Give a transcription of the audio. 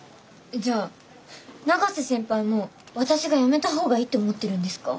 じゃあ永瀬先輩も私がやめた方がいいって思ってるんですか？